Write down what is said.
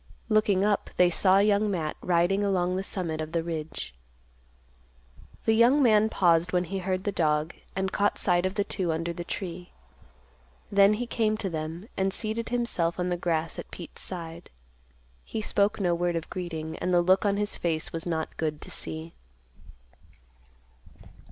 Looking up, they saw Young Matt riding along the summit of the ridge. The young man paused when he heard the dog, and caught sight of the two under the tree; then he came to them, and seated himself on the grass at Pete's side. He spoke no word of greeting, and the look on his face was not good to see.